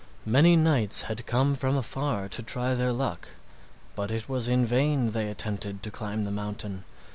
Many knights had come from afar to try their luck, but it was in vain they attempted to climb the mountain.